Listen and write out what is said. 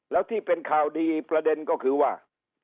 แล้วที่เป็นข่าวดีประเด็นก็คือว่า